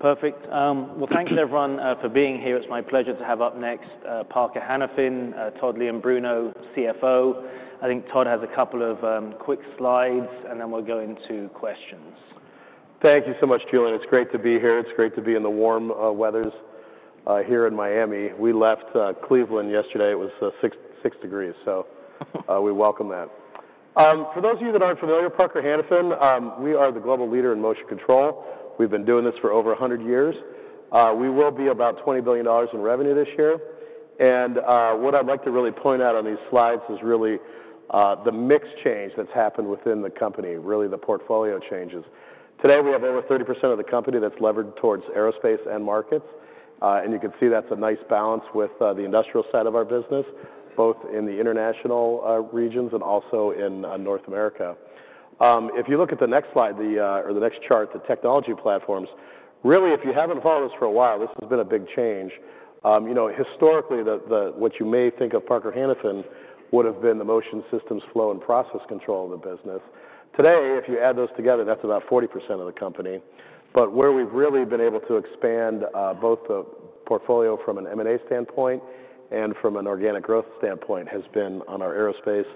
Perfect. Thanks, everyone, for being here. It's my pleasure to have up next Parker Hannifin, Todd Leombruno, CFO. I think Todd has a couple of quick slides, and then we'll go into questions. Thank you so much, Julian. It's great to be here. It's great to be in the warm weather here in Miami. We left Cleveland yesterday. It was 6 degrees, so we welcome that. For those of you that aren't familiar, Parker Hannifin, we are the global leader in motion control. We've been doing this for over 100 years. We will be about $20 billion in revenue this year. And what I'd like to really point out on these slides is really the mix change that's happened within the company, really the portfolio changes. Today, we have over 30% of the company that's levered towards aerospace end markets. And you can see that's a nice balance with the industrial side of our business, both in the international regions and also in North America. If you look at the next slide, or the next chart, the technology platforms, really, if you haven't followed us for a while, this has been a big change. Historically, what you may think of Parker Hannifin would have been the Motion Systems, Flow and Process Control of the business. Today, if you add those together, that's about 40% of the company. But where we've really been able to expand both the portfolio from an M&A standpoint and from an organic growth standpoint has been on our Aerospace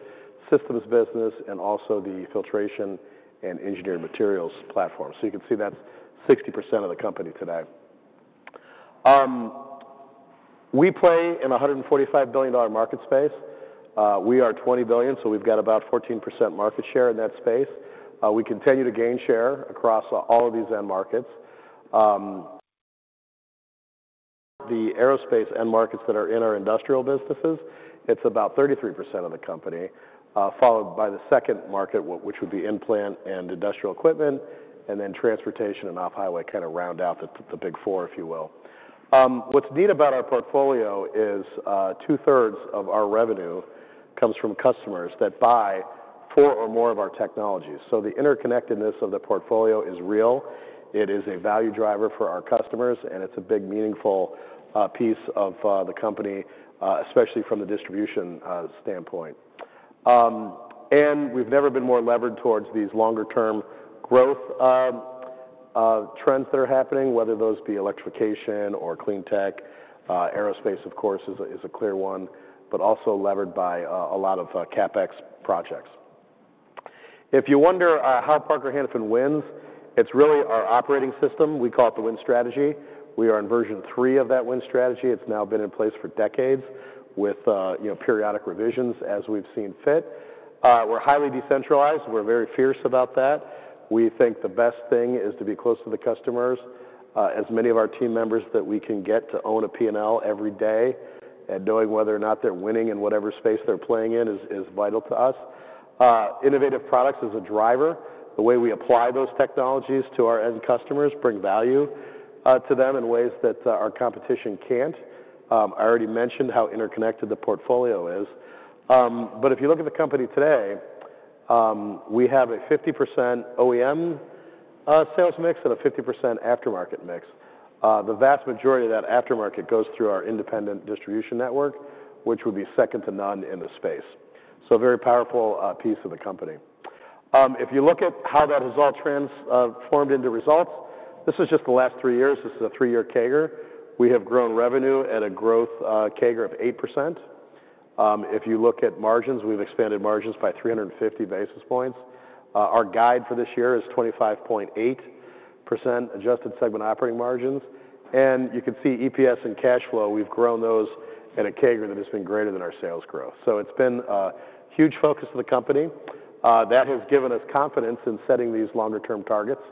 Systems business and also the Filtration and Engineered Materials platform. So you can see that's 60% of the company today. We play in a $145 billion market space. We are $20 billion, so we've got about 14% market share in that space. We continue to gain share across all of these end markets. The aerospace end markets that are in our industrial businesses, it's about 33% of the company, followed by the second market, which would be in-plant and industrial equipment, and then transportation and off-highway kind of round out the big four, if you will. What's neat about our portfolio is two-thirds of our revenue comes from customers that buy four or more of our technologies. So the interconnectedness of the portfolio is real. It is a value driver for our customers, and it's a big, meaningful piece of the company, especially from the distribution standpoint, and we've never been more levered towards these longer-term growth trends that are happening, whether those be electrification or clean tech. Aerospace, of course, is a clear one, but also levered by a lot of CapEx projects. If you wonder how Parker Hannifin wins, it's really our operating system. We call it the Win Strategy. We are in version three of that Win Strategy. It's now been in place for decades with periodic revisions as we've seen fit. We're highly decentralized. We're very fierce about that. We think the best thing is to be close to the customers. As many of our team members that we can get to own a P&L every day and knowing whether or not they're winning in whatever space they're playing in is vital to us. Innovative products as a driver. The way we apply those technologies to our end customers brings value to them in ways that our competition can't. I already mentioned how interconnected the portfolio is. But if you look at the company today, we have a 50% OEM sales mix and a 50% aftermarket mix. The vast majority of that aftermarket goes through our independent distribution network, which would be second to none in the space. So a very powerful piece of the company. If you look at how that has all transformed into results, this is just the last three years. This is a three-year CAGR. We have grown revenue at a growth CAGR of 8%. If you look at margins, we've expanded margins by 350 basis points. Our guide for this year is 25.8% adjusted segment operating margins. And you can see EPS and cash flow, we've grown those at a CAGR that has been greater than our sales growth. So it's been a huge focus of the company. That has given us confidence in setting these longer-term targets.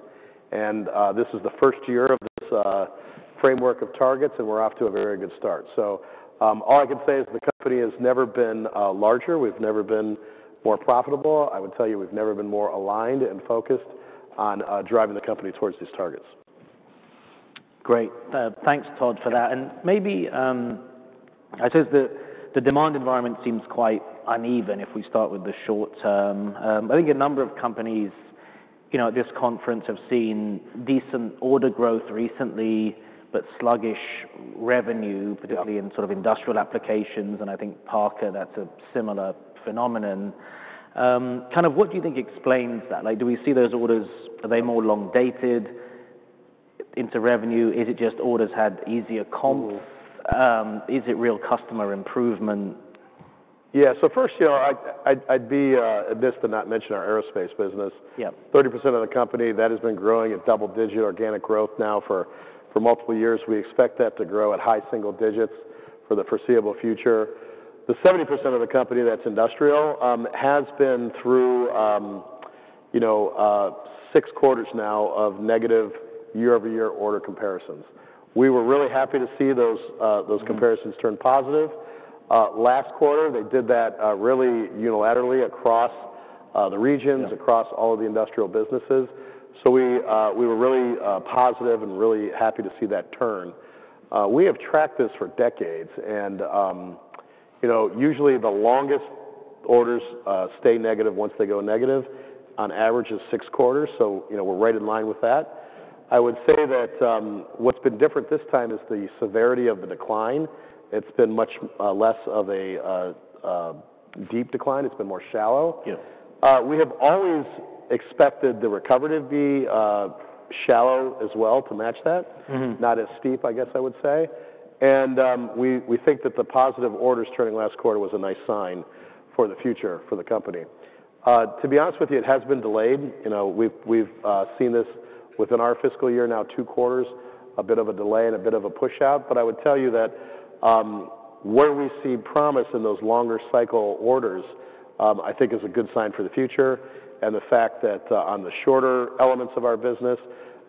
And this is the first year of this framework of targets, and we're off to a very good start. So all I can say is the company has never been larger. We've never been more profitable. I would tell you we've never been more aligned and focused on driving the company towards these targets. Great. Thanks, Todd, for that. And maybe I suppose the demand environment seems quite uneven if we start with the short term. I think a number of companies at this conference have seen decent order growth recently, but sluggish revenue, particularly in sort of industrial applications. And I think Parker, that's a similar phenomenon. Kind of what do you think explains that? Do we see those orders? Are they more long-dated into revenue? Is it just orders had easier comps? Is it real customer improvement? Yeah. So first, I'd say this but not mention our aerospace business. 30% of the company that has been growing at double-digit organic growth now for multiple years. We expect that to grow at high single digits for the foreseeable future. The 70% of the company that's industrial has been through six quarters now of negative year-over-year order comparisons. We were really happy to see those comparisons turn positive. Last quarter, they did that really unilaterally across the regions, across all of the industrial businesses. So we were really positive and really happy to see that turn. We have tracked this for decades, and usually the longest orders stay negative once they go negative on average is six quarters. So we're right in line with that. I would say that what's been different this time is the severity of the decline. It's been much less of a deep decline. It's been more shallow. We have always expected the recovery to be shallow as well to match that, not as steep, I guess I would say. And we think that the positive orders turning last quarter was a nice sign for the future for the company. To be honest with you, it has been delayed. We've seen this within our fiscal year now, two quarters, a bit of a delay and a bit of a push-out. But I would tell you that where we see promise in those longer-cycle orders, I think, is a good sign for the future. And the fact that on the shorter elements of our business,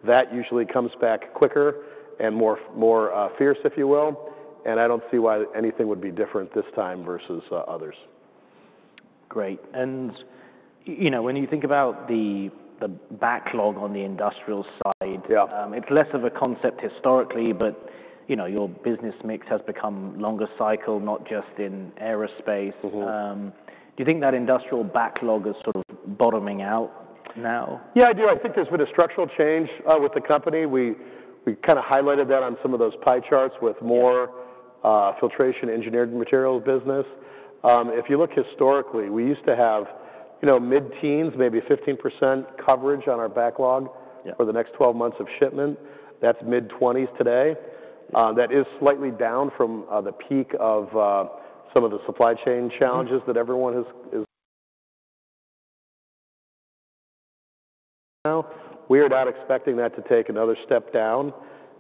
that usually comes back quicker and more fierce, if you will. And I don't see why anything would be different this time versus others. Great. And when you think about the backlog on the industrial side, it's less of a concept historically, but your business mix has become longer-cycle, not just in aerospace. Do you think that industrial backlog is sort of bottoming out now? Yeah, I do. I think there's been a structural change with the company. We kind of highlighted that on some of those pie charts with more Filtration Engineered Materials business. If you look historically, we used to have mid-teens, maybe 15% coverage on our backlog for the next 12 months of shipment. That's mid-20s today. That is slightly down from the peak of some of the supply chain challenges that everyone is. We are not expecting that to take another step down,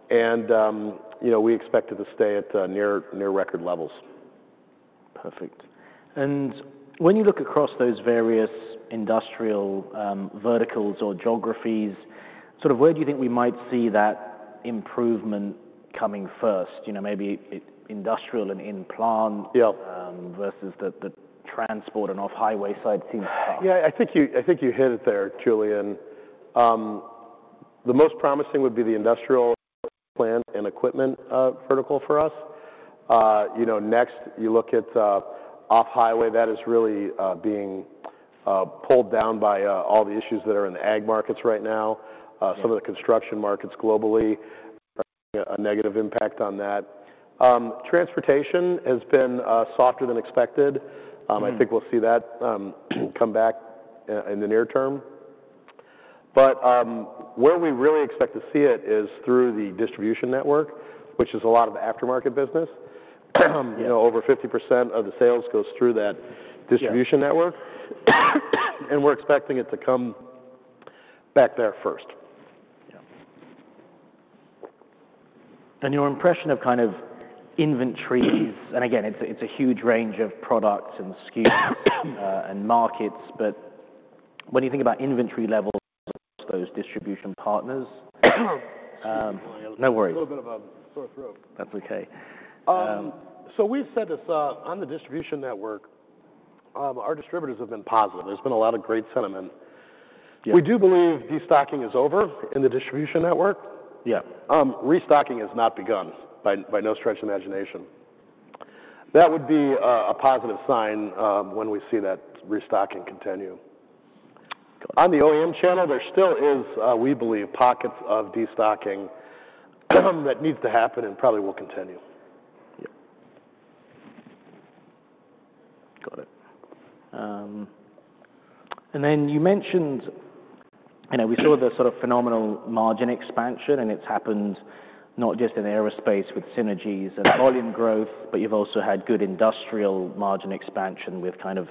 and we expect it to stay at near-record levels. Perfect. And when you look across those various industrial verticals or geographies, sort of where do you think we might see that improvement coming first? Maybe industrial and in-Plant versus the transport and off-highway side seems to. Yeah, I think you hit it there, Julian. The most promising would be the industrial plant and equipment vertical for us. Next, you look at off-highway, that is really being pulled down by all the issues that are in the ag markets right now. Some of the construction markets globally are seeing a negative impact on that. Transportation has been softer than expected. I think we'll see that come back in the near term. But where we really expect to see it is through the distribution network, which is a lot of the aftermarket business. Over 50% of the sales goes through that distribution network. And we're expecting it to come back there first. Yeah. And your impression of kind of inventories, and again, it's a huge range of products and SKUs and markets, but when you think about inventory levels. Those distribution partners? No worries. A little bit of a sore throat. That's okay. So we've said this on the distribution network. Our distributors have been positive. There's been a lot of great sentiment. We do believe destocking is over in the distribution network. Restocking has not begun by no stretch of imagination. That would be a positive sign when we see that restocking continue. On the OEM channel, there still is, we believe, pockets of destocking that needs to happen and probably will continue. Yeah. Got it. And then you mentioned we saw the sort of phenomenal margin expansion, and it's happened not just in aerospace with synergies and volume growth, but you've also had good industrial margin expansion with kind of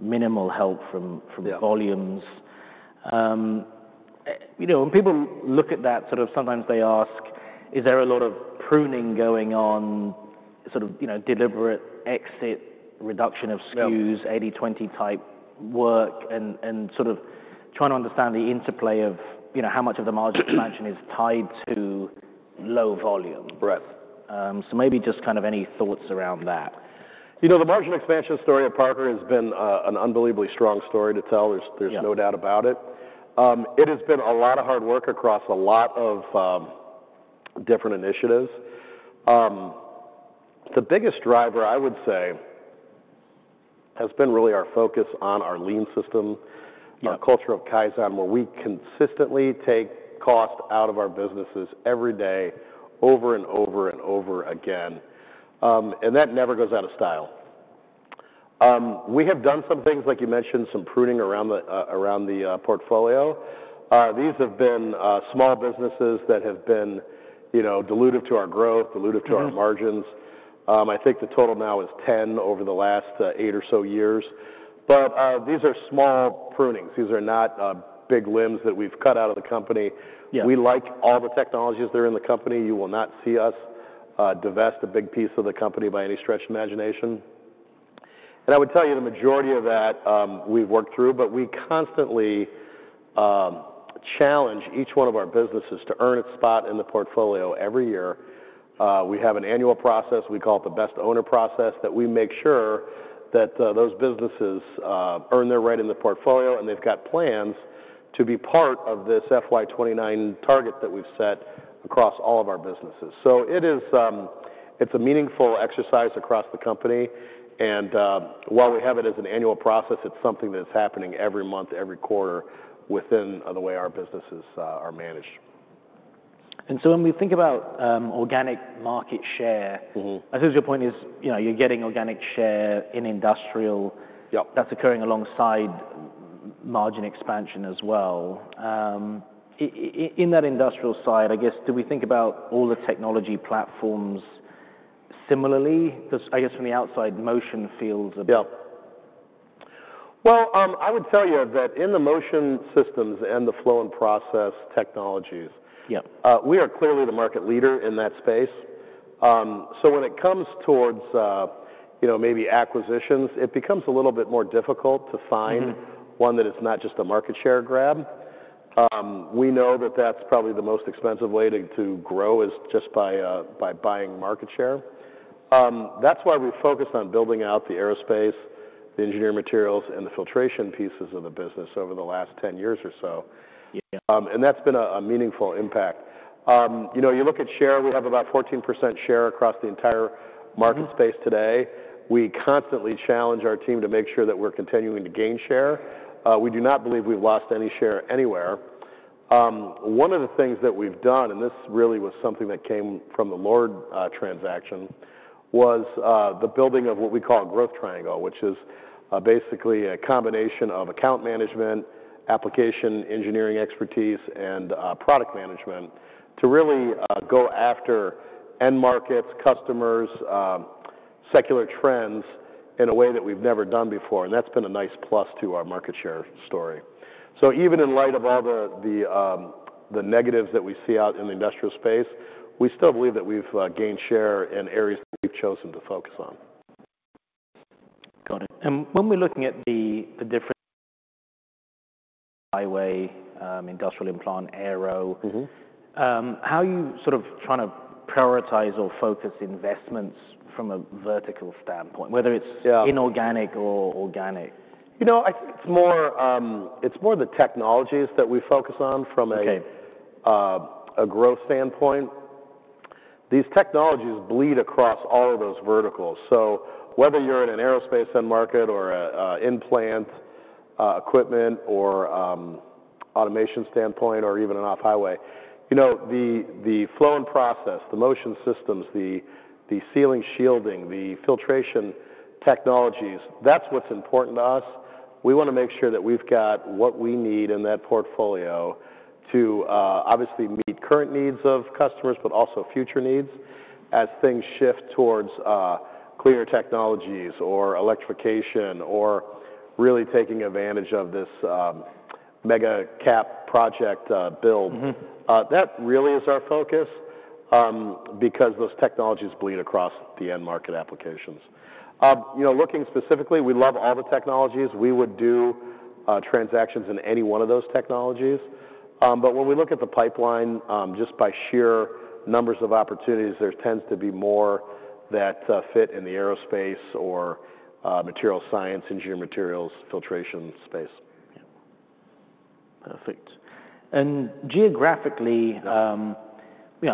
minimal help from volumes. When people look at that, sort of sometimes they ask, is there a lot of pruning going on, sort of deliberate exit, reduction of SKUs, 80/20 type work, and sort of trying to understand the interplay of how much of the margin expansion is tied to low volume? So maybe just kind of any thoughts around that. The margin expansion story at Parker has been an unbelievably strong story to tell. There's no doubt about it. It has been a lot of hard work across a lot of different initiatives. The biggest driver, I would say, has been really our focus on our lean system, our culture of Kaizen, where we consistently take cost out of our businesses every day over and over and over again. And that never goes out of style. We have done some things, like you mentioned, some pruning around the portfolio. These have been small businesses that have been dilutive to our growth, dilutive to our margins. I think the total now is 10 over the last eight or so years. But these are small prunings. These are not big limbs that we've cut out of the company. We like all the technologies that are in the company. You will not see us divest a big piece of the company by any stretch of imagination, and I would tell you the majority of that we've worked through, but we constantly challenge each one of our businesses to earn its spot in the portfolio every year. We have an annual process we call the Best Owner process that we make sure that those businesses earn their right in the portfolio, and they've got plans to be part of this FY29 target that we've set across all of our businesses, so it's a meaningful exercise across the company, and while we have it as an annual process, it's something that's happening every month, every quarter within the way our businesses are managed. And so when we think about organic market share, I suppose your point is you're getting organic share in industrial. That's occurring alongside margin expansion as well. In that industrial side, I guess, do we think about all the technology platforms similarly? Because I guess from the outside, motion feels a bit. I would tell you that in the Motion Systems and the Flow and Process Technologies, we are clearly the market leader in that space. So when it comes towards maybe acquisitions, it becomes a little bit more difficult to find one that is not just a market share grab. We know that that's probably the most expensive way to grow is just by buying market share. That's why we've focused on building out the aerospace, the engineered materials, and the filtration pieces of the business over the last 10 years or so. That's been a meaningful impact. You look at share, we have about 14% share across the entire market space today. We constantly challenge our team to make sure that we're continuing to gain share. We do not believe we've lost any share anywhere. One of the things that we've done, and this really was something that came from the LORD transaction, was the building of what we call a Growth Triangle, which is basically a combination of account management, application engineering expertise, and product management to really go after end markets, customers, secular trends in a way that we've never done before. And that's been a nice plus to our market share story. So even in light of all the negatives that we see out in the industrial space, we still believe that we've gained share in areas that we've chosen to focus on. Got it, and when we're looking at the different highway, industrial in-plant, aero, how are you sort of trying to prioritize or focus investments from a vertical standpoint, whether it's inorganic or organic? You know, I think it's more the technologies that we focus on from a growth standpoint. These technologies bleed across all of those verticals. So whether you're in an aerospace end market or an in-plant equipment or automation standpoint or even an off-highway, the flow and process, the Motion Systems, the Sealing and Shielding, the Filtration Technologies, that's what's important to us. We want to make sure that we've got what we need in that portfolio to obviously meet current needs of customers, but also future needs as things shift towards cleaner technologies or electrification or really taking advantage of this mega cap project build. That really is our focus because those technologies bleed across the end market applications. Looking specifically, we love all the technologies. We would do transactions in any one of those technologies. But when we look at the pipeline, just by sheer numbers of opportunities, there tends to be more that fit in the aerospace or material science, engineered materials, filtration space. Yeah. Perfect. And geographically, a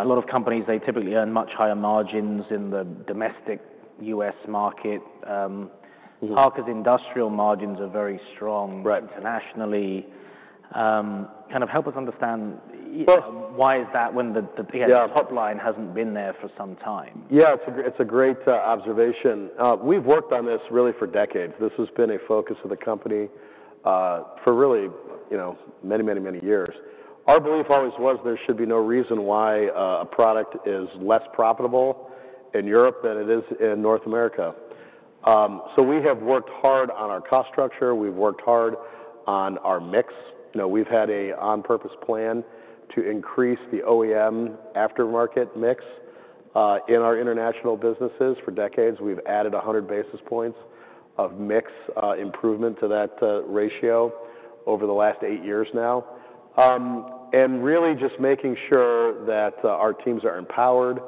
lot of companies, they typically earn much higher margins in the domestic U.S. market. Parker's industrial margins are very strong internationally. Kind of help us understand why is that when the top line hasn't been there for some time? Yeah, it's a great observation. We've worked on this, really, for decades. This has been a focus of the company for really many, many, many years. Our belief always was there should be no reason why a product is less profitable in Europe than it is in North America, so we have worked hard on our cost structure. We've worked hard on our mix. We've had an on-purpose plan to increase the OEM aftermarket mix. In our international businesses for decades, we've added 100 basis points of mix improvement to that ratio over the last eight years now, and really just making sure that our teams are empowered.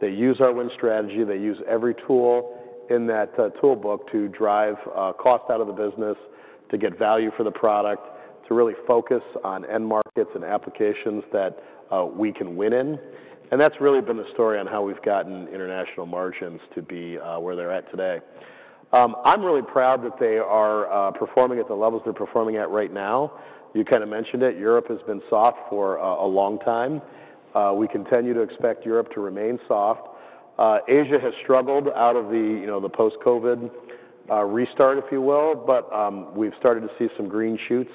They use our Win Strategy. They use every tool in that toolkit to drive cost out of the business, to get value for the product, to really focus on end markets and applications that we can win in. And that's really been the story on how we've gotten international margins to be where they're at today. I'm really proud that they are performing at the levels they're performing at right now. You kind of mentioned it. Europe has been soft for a long time. We continue to expect Europe to remain soft. Asia has struggled out of the post-COVID restart, if you will, but we've started to see some green shoots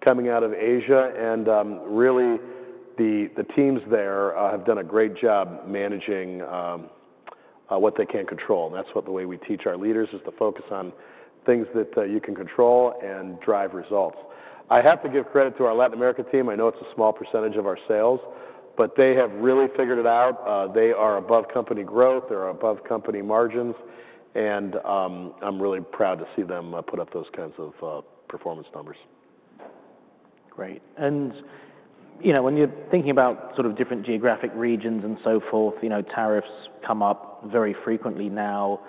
coming out of Asia. And really, the teams there have done a great job managing what they can't control. And that's what the way we teach our leaders is to focus on things that you can control and drive results. I have to give credit to our Latin America team. I know it's a small percentage of our sales, but they have really figured it out. They are above company growth. They're above company margins. I'm really proud to see them put up those kinds of performance numbers. Great. And when you're thinking about sort of different geographic regions and so forth, tariffs come up very frequently now.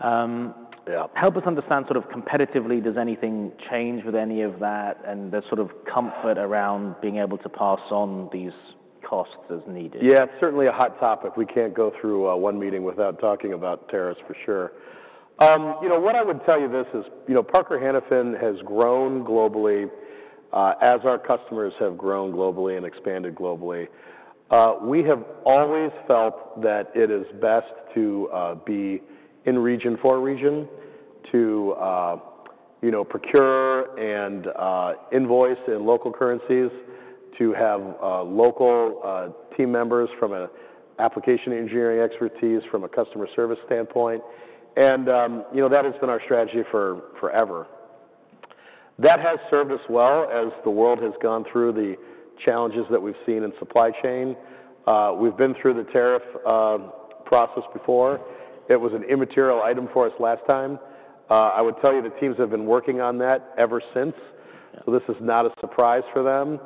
Help us understand sort of competitively, does anything change with any of that and the sort of comfort around being able to pass on these costs as needed? Yeah, certainly a hot topic. We can't go through one meeting without talking about tariffs for sure. What I would tell you this is Parker Hannifin has grown globally as our customers have grown globally and expanded globally. We have always felt that it is best to be in region for region, to procure and invoice in local currencies, to have local team members from an application engineering expertise, from a customer service standpoint. And that has been our strategy forever. That has served us well as the world has gone through the challenges that we've seen in supply chain. We've been through the tariff process before. It was an immaterial item for us last time. I would tell you the teams have been working on that ever since. So this is not a surprise for them.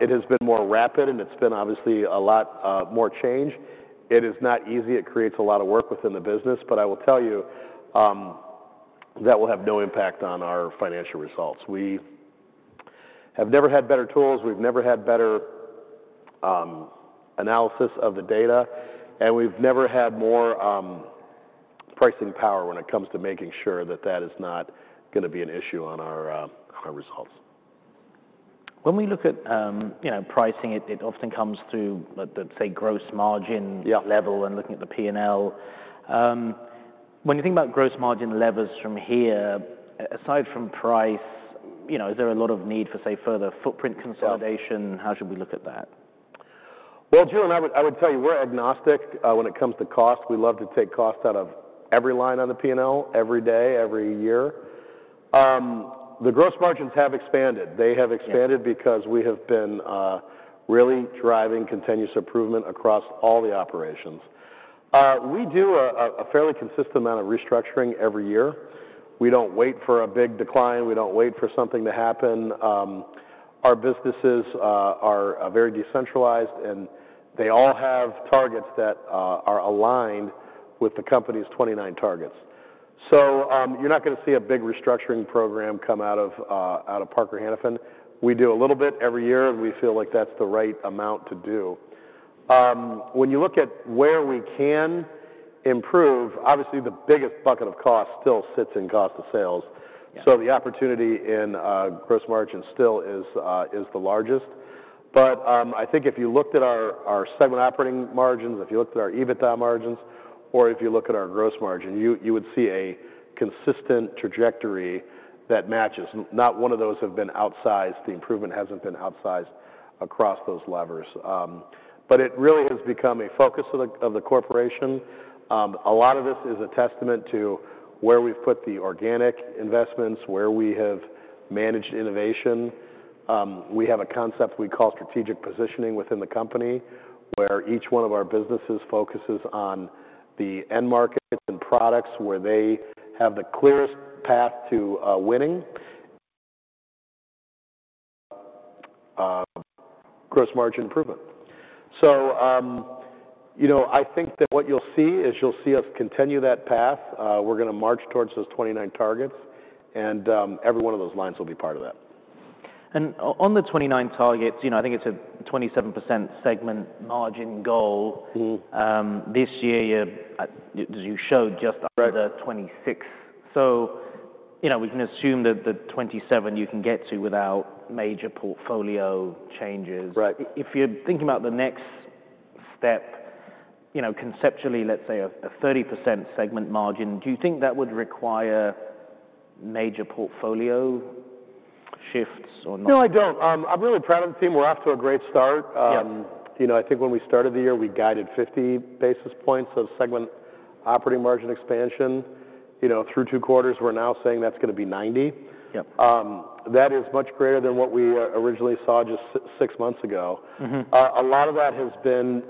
It has been more rapid, and it's been obviously a lot more change. It is not easy. It creates a lot of work within the business, but I will tell you that will have no impact on our financial results. We have never had better tools. We've never had better analysis of the data, and we've never had more pricing power when it comes to making sure that that is not going to be an issue on our results. When we look at pricing, it often comes through, let's say, gross margin level and looking at the P&L. When you think about gross margin levels from here, aside from price, is there a lot of need for, say, further footprint consolidation? How should we look at that? Julian, I would tell you we're agnostic when it comes to cost. We love to take cost out of every line on the P&L every day, every year. The gross margins have expanded. They have expanded because we have been really driving continuous improvement across all the operations. We do a fairly consistent amount of restructuring every year. We don't wait for a big decline. We don't wait for something to happen. Our businesses are very decentralized, and they all have targets that are aligned with the company's 29 targets. So you're not going to see a big restructuring program come out of Parker Hannifin. We do a little bit every year, and we feel like that's the right amount to do. When you look at where we can improve, obviously the biggest bucket of cost still sits in cost of sales. The opportunity in gross margin still is the largest. But I think if you looked at our segment operating margins, if you looked at our EBITDA margins, or if you look at our gross margin, you would see a consistent trajectory that matches. Not one of those has been outsized. The improvement hasn't been outsized across those levers. But it really has become a focus of the corporation. A lot of this is a testament to where we've put the organic investments, where we have managed innovation. We have a concept we call strategic positioning within the company where each one of our businesses focuses on the end market and products where they have the clearest path to winning gross margin improvement. So I think that what you'll see is you'll see us continue that path. We're going to march towards those 29 targets, and every one of those lines will be part of that. And on the 29 targets, I think it's a 27% segment margin goal. This year, you showed just under 26. So we can assume that the 27 you can get to without major portfolio changes. If you're thinking about the next step, conceptually, let's say a 30% segment margin, do you think that would require major portfolio shifts or not? No, I don't. I'm really proud of the team. We're off to a great start. I think when we started the year, we guided 50 basis points of segment operating margin expansion. Through two quarters, we're now saying that's going to be 90. That is much greater than what we originally saw just six months ago. A lot of that has been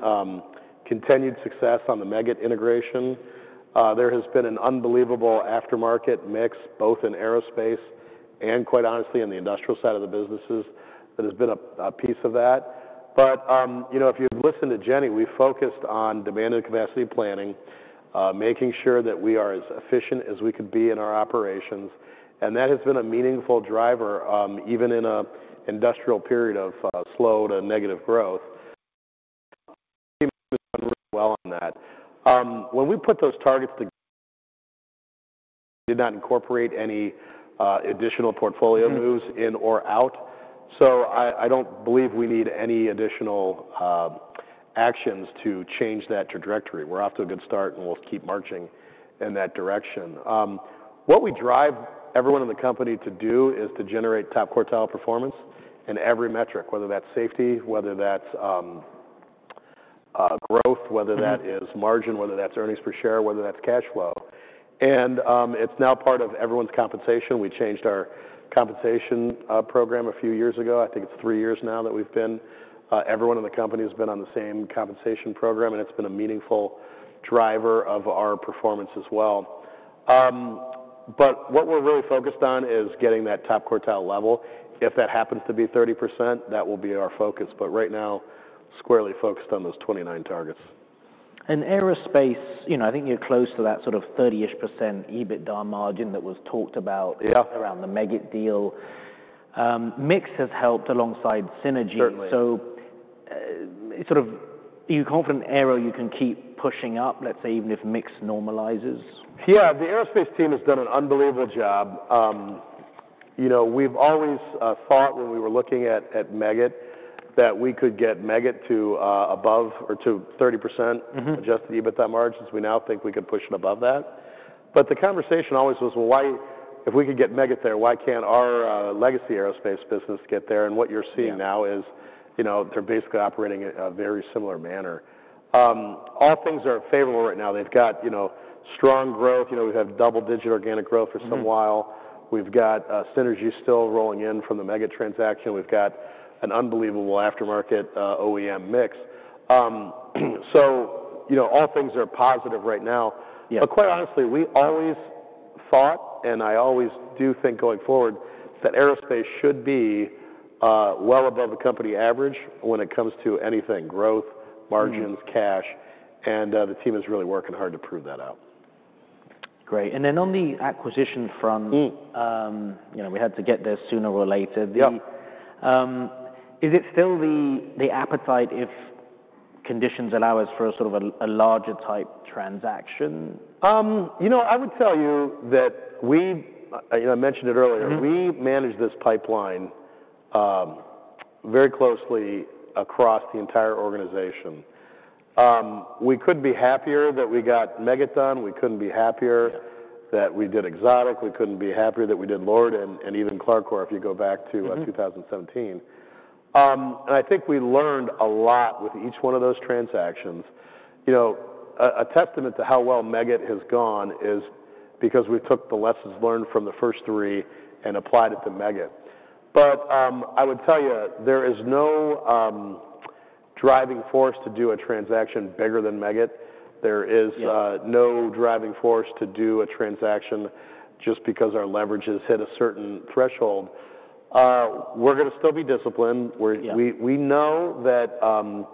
continued success on the Meggitt integration. There has been an unbelievable aftermarket mix, both in aerospace and, quite honestly, in the industrial side of the businesses that has been a piece of that. But if you've listened to Jenny, we focused on demand and capacity planning, making sure that we are as efficient as we could be in our operations. And that has been a meaningful driver even in an industrial period of slow to negative growth. The team has done really well on that. When we put those targets together, we did not incorporate any additional portfolio moves in or out, so I don't believe we need any additional actions to change that trajectory. We're off to a good start, and we'll keep marching in that direction. What we drive everyone in the company to do is to generate top quartile performance in every metric, whether that's safety, whether that's growth, whether that is margin, whether that's earnings per share, whether that's cash flow, and it's now part of everyone's compensation. We changed our compensation program a few years ago. I think it's three years now that we've been. Everyone in the company has been on the same compensation program, and it's been a meaningful driver of our performance as well, but what we're really focused on is getting that top quartile level. If that happens to be 30%, that will be our focus. But right now, squarely focused on those 29 targets. And aerospace, I think you're close to that sort of 30-ish% EBITDA margin that was talked about around the Meggitt deal. Mix has helped alongside Synergy. So are you confident Aero you can keep pushing up, let's say, even if Mix normalizes? Yeah, the aerospace team has done an unbelievable job. We've always thought when we were looking at Meggitt that we could get Meggitt to above or to 30% adjusted EBITDA margins. We now think we can push it above that. But the conversation always was, well, if we could get Meggitt there, why can't our legacy aerospace business get there? And what you're seeing now is they're basically operating in a very similar manner. All things are favorable right now. They've got strong growth. We've had double-digit organic growth for some while. We've got Synergy still rolling in from the Meggitt transaction. We've got an unbelievable aftermarket OEM mix. So all things are positive right now. But quite honestly, we always thought, and I always do think going forward, that aerospace should be well above the company average when it comes to anything growth, margins, cash. The team is really working hard to prove that out. Great. And then on the acquisition front, we had to get there sooner or later. Is there still the appetite, if conditions allow us, for sort of a larger type transaction? You know, I would tell you that we, I mentioned it earlier, we manage this pipeline very closely across the entire organization. We couldn't be happier that we got Meggitt done. We couldn't be happier that we did Exotic. We couldn't be happier that we did Lord and even CLARCOR if you go back to 2017, and I think we learned a lot with each one of those transactions. A testament to how well Meggitt has gone is because we took the lessons learned from the first three and applied it to Meggitt. But I would tell you there is no driving force to do a transaction bigger than Meggitt. There is no driving force to do a transaction just because our leverage has hit a certain threshold. We're going to still be disciplined. We know that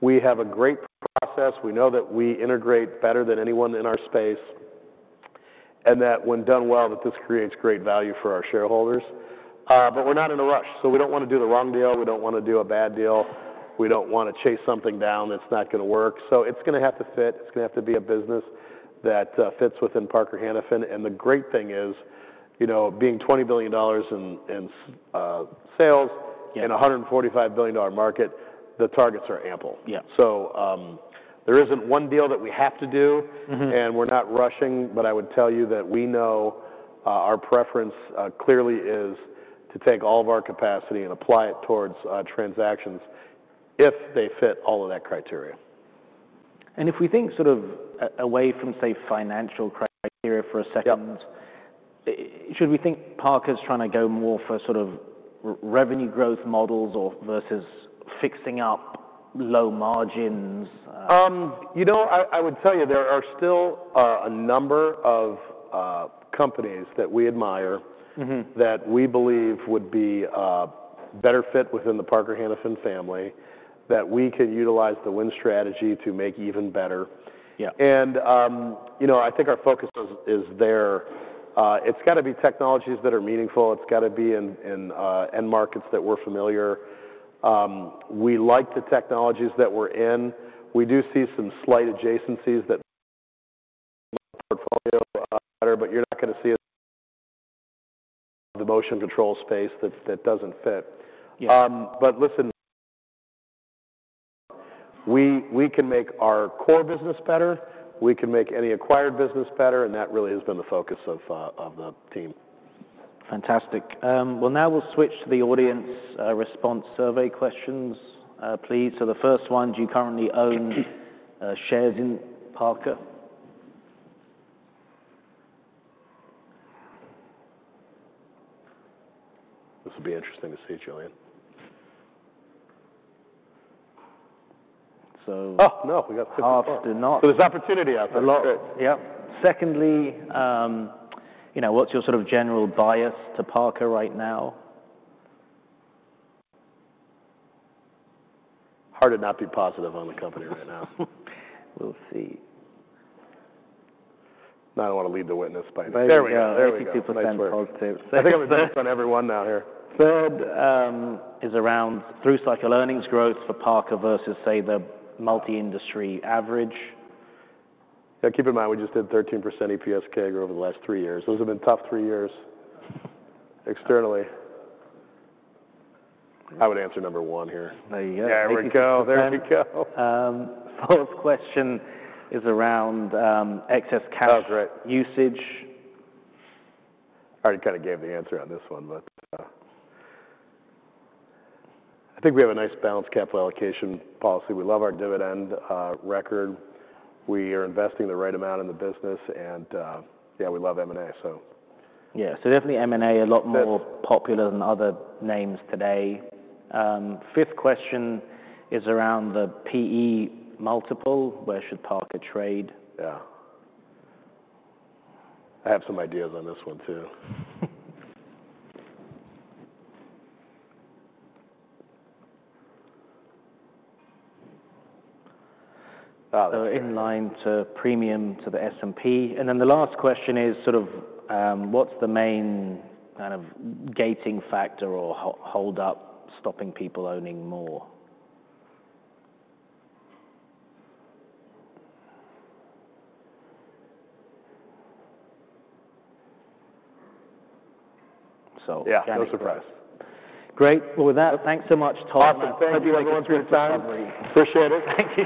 we have a great process. We know that we integrate better than anyone in our space and that when done well, that this creates great value for our shareholders. But we're not in a rush. So we don't want to do the wrong deal. We don't want to do a bad deal. We don't want to chase something down that's not going to work. So it's going to have to fit. It's going to have to be a business that fits within Parker Hannifin. And the great thing is being $20 billion in sales in a $145 billion market, the targets are ample. So there isn't one deal that we have to do, and we're not rushing. But I would tell you that we know our preference clearly is to take all of our capacity and apply it towards transactions if they fit all of that criteria. If we think sort of away from, say, financial criteria for a second, should we think Parker's trying to go more for sort of revenue growth models versus fixing up low margins? You know, I would tell you there are still a number of companies that we admire that we believe would be a better fit within the Parker Hannifin family that we can utilize the Win Strategy to make even better. And I think our focus is there. It's got to be technologies that are meaningful. It's got to be in end markets that we're familiar. We like the technologies that we're in. We do see some slight adjacencies that make the portfolio better, but you're not going to see it in the Motion Control space that doesn't fit. But listen, we can make our core business better. We can make any acquired business better. And that really has been the focus of the team. Fantastic. Well, now we'll switch to the audience response survey questions, please. So the first one, do you currently own shares in Parker? This will be interesting to see, Julian. So. Oh, no. We got six of them. Oh, did not. There's opportunity out there. Yep. Secondly, what's your sort of general bias to Parker right now? Hard to not be positive on the company right now. We'll see. I don't want to lead the witness by any means. There we go. 82% positive. I think I'm saying this to everyone now here. Third is around through-cycle earnings growth for Parker versus, say, the multi-industry average. Yeah, keep in mind we just did 13% EPS CAGR over the last three years. Those have been tough three years externally. I would answer number one here. There you go. Yeah, there you go. There you go. Fourth question is around excess cash usage. I already kind of gave the answer on this one, but I think we have a nice balanced capital allocation policy. We love our dividend record. We are investing the right amount in the business. And yeah, we love M&A, so. Yeah, so definitely M&A a lot more popular than other names today. Fifth question is around the PE multiple. Where should Parker trade? Yeah. I have some ideas on this one too. So, in line to premium to the S&P. And then the last question is sort of what's the main kind of gating factor or hold-up stopping people owning more? Yeah, no surprise. Great. Well, with that, thanks so much, Todd. Awesome. Thank you, everyone, for your time. Appreciate it. Thank you.